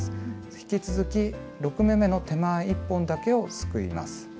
引き続き６目めの手前１本だけをすくいます。